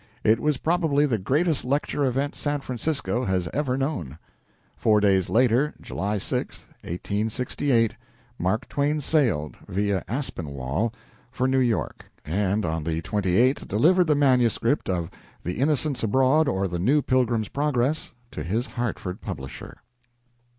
It was probably the greatest lecture event San Francisco has ever known. Four days later, July 6, 1868, Mark Twain sailed, via Aspinwall, for New York, and on the 28th delivered the manuscript of "The Innocents Abroad, or the New Pilgrim's Progress," to his Hartford publisher.